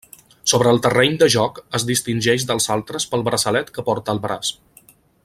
Sobre el terreny de joc, es distingeix dels altres pel braçalet que porta al braç.